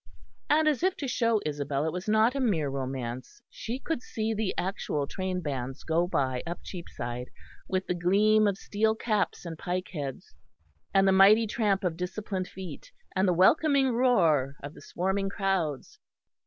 And as if to show Isabel it was not a mere romance, she could see the actual train bands go by up Cheapside with the gleam of steel caps and pike heads, and the mighty tramp of disciplined feet, and the welcoming roar of the swarming crowds.